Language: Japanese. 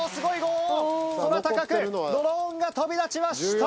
空高くドローンが飛び立ちました！